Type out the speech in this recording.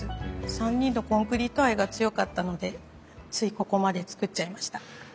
３人のコンクリート愛が強かったのでついここまで作っちゃいました。